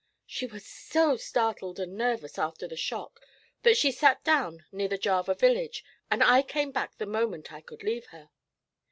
'She was so startled and nervous after the shock that she sat down near the Java Village, and I came back the moment I could leave her.'